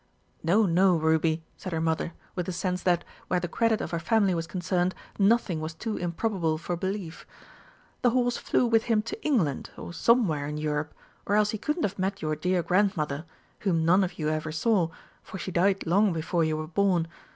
"No, no, Ruby," said her mother, with a sense that, where the credit of her family was concerned, nothing was too improbable for belief; "the horse flew with him to England, or somewhere in Europe or else he couldn't have met your dear grandmother, whom none of you ever saw, for she died long before you were born.